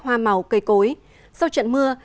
hoa màu cây cối sau trận mưa